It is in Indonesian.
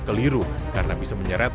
keliru karena bisa menyerat